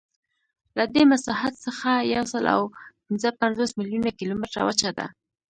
له دې مساحت څخه یوسلاوهپینځهپنځوس میلیونه کیلومتره وچه ده.